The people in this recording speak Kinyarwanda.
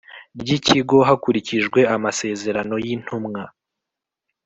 ry Ikigo hakurikijwe amasezerano y Intumwa